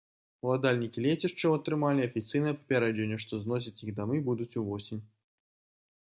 Уладальнікі лецішчаў атрымалі афіцыйнае папярэджанне, што зносіць іх дамы будуць увосень.